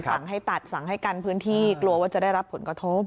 สั่งให้ตัดสั่งให้กันพื้นที่กลัวว่าจะได้รับผลกระทบ